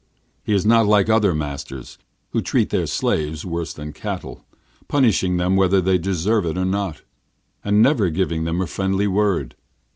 He is not like other masters, who treat their slaves worse than cattle: punishing them whether they deserve it or not, and never giving them a friendly word.